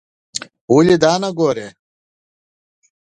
ولې دا نه ګورې.